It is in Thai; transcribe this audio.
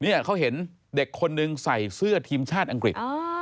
เนี่ยเขาเห็นเด็กคนนึงใส่เสื้อทีมชาติอังกฤษ